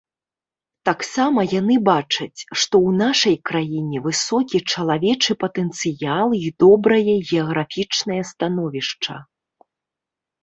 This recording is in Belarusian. Таксама яны бачаць, што ў нашай краіне высокі чалавечы патэнцыял і добрае геаграфічнае становішча.